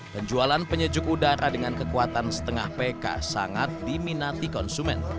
penjualan penyejuk udara dengan kekuatan setengah pk sangat diminati konsumen